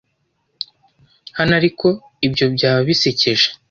hano ariko ibyo byaba bisekeje